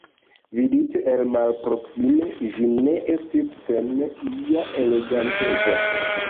Vidite el malproksime, ĝi ne estis sen ia eleganteco.